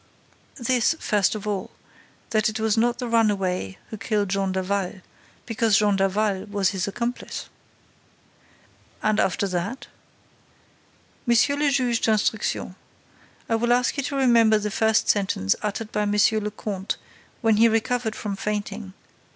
"This, first of all, that it was not the runaway who killed Jean Daval, because Jean Daval was his accomplice." "And after that?" "Monsieur le Juge d'Instruction, I will ask you to remember the first sentence uttered by Monsieur le Comte when he recovered from fainting.